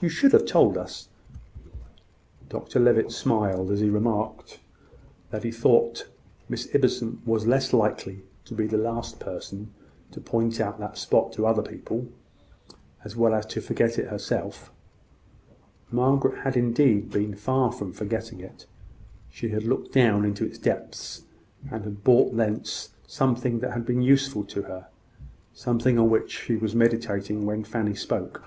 You should have told us." Dr Levitt smiled as he remarked that he thought Miss Ibbotson was likely to be the last person to point out that spot to other people, as well as to forget it herself. Margaret had indeed been far from forgetting it. She had looked down into its depths, and had brought thence something that had been useful to her something on which she was meditating when Fanny spoke.